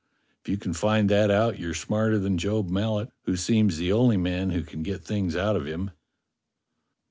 If you can find that out you're smarter than Job Mallet, who seems the only man who can get things out of him."